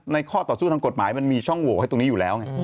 ข้อต่อสู้ทางกฎหมายมันมีช่องโหวให้ตรงนี้อยู่แล้วไง